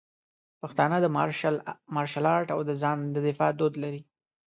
پښتانه د مارشل آرټ او د ځان د دفاع دود لري.